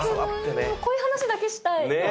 こういう話だけしたい。